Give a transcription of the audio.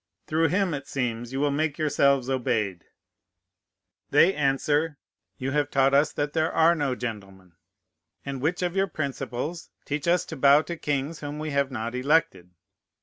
Through him, it seems, you will make yourselves obeyed. They answer, "You have taught us that there are no gentlemen; and which of your principles teach us to bow to kings whom we have not elected?